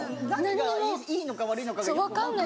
何がいいのか悪いのかがよく分かんない。